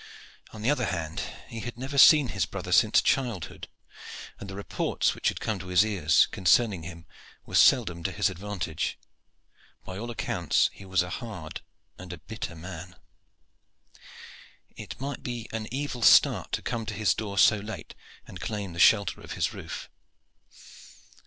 On the other hand, he had never seen this brother since childhood, and the reports which had come to his ears concerning him were seldom to his advantage. By all accounts he was a hard and a bitter man. It might be an evil start to come to his door so late and claim the shelter of his roof.